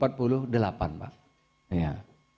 ini kita syukuri walaupun kita berharap enam puluh